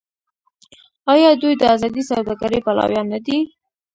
آیا دوی د ازادې سوداګرۍ پلویان نه دي؟